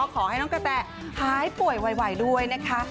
ขอให้น้องกระแแตหายป่วยไหวด้วย